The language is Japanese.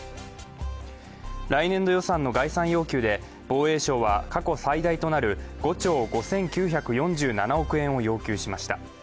来年度予算の概算要求で防衛省は過去最大となる５兆５９４７億円を要求しました。